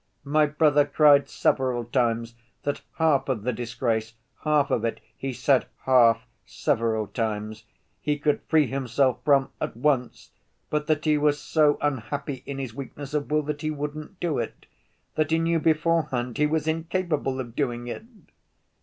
"My brother cried several times that half of the disgrace, half of it (he said half several times) he could free himself from at once, but that he was so unhappy in his weakness of will that he wouldn't do it ... that he knew beforehand he was incapable of doing it!"